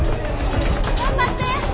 頑張って！